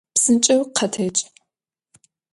Псынкӏэу къэтэдж!